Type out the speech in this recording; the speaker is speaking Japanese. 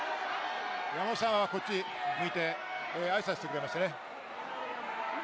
山本さんは、こっちを向いて挨拶をしてくれましたね。